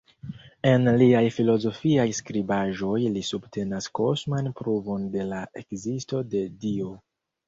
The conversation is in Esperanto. En liaj filozofiaj skribaĵoj li subtenas kosman pruvon de la ekzisto de Dio.